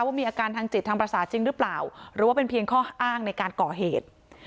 มีอาการทางจิตทางประสาทจริงหรือเปล่าหรือว่าเป็นเพียงข้ออ้างในการก่อเหตุ